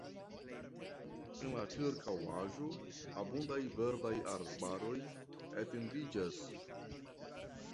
En la ĉirkaŭaĵo abundaj verdaj arbaroj etendiĝas.